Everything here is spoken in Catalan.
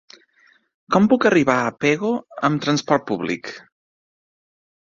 Com puc arribar a Pego amb transport públic?